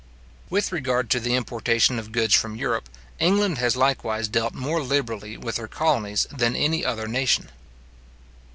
With regard to the importation of goods from Europe, England has likewise dealt more liberally with her colonies than any other nation.